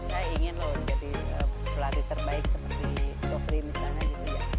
saya ingin loh jadi pelatih terbaik seperti sofri misalnya